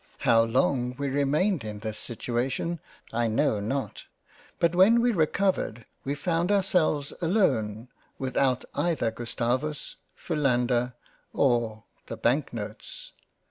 How long we remained in this situation I know not ; but when we recovered we found ourselves alone, without either Gustavus, Philander, or the Banknotes.